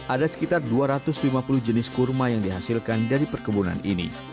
ada sekitar dua ratus lima puluh jenis kurma yang dihasilkan dari perkebunan ini